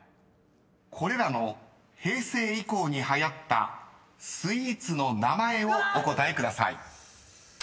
［これらの平成以降にはやったスイーツの名前をお答えください］